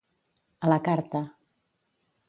A la carta.